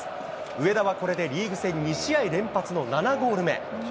上田はこれでリーグ戦、２試合連発の７ゴール目。